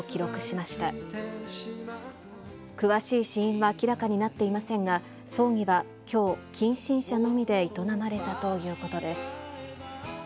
詳しい死因は明らかになっていませんが、葬儀はきょう、近親者のみで営まれたということです。